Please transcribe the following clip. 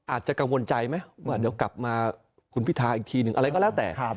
อาจจะกังวลใจไหมว่าเดี๋ยวกลับมาคุณพิทาอีกทีหนึ่งอะไรก็แล้วแต่